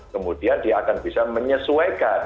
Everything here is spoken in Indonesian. kemudian dia akan bisa menyesuaikan